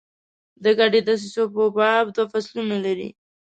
د ګډو دسیسو په باب دوه فصلونه لري.